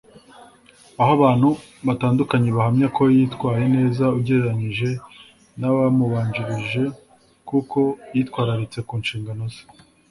Aho abantu batandukanye bahamya ko yitwaye neza ugereranije n’abamubanjirije kuko yitwararitse ku nshingano ze